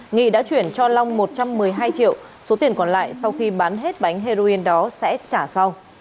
nghị đã chuyển cho long một trăm một mươi hai triệu số tiền còn lại sau khi bán hết bánh heroin đó sẽ trả sau